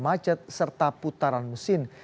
macet serta putaran mesin